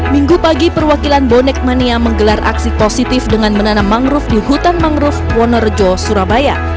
minggu pagi perwakilan bonek mania menggelar aksi positif dengan menanam mangrove di hutan mangrove wonorejo surabaya